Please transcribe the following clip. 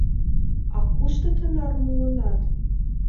А кушто тынар муынат?